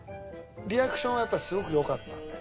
リアクションはやっぱりすごく良かったよね。